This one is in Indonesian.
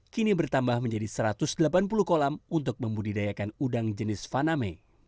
kini bertambah menjadi satu ratus delapan puluh kolam untuk membudidayakan udang jenis faname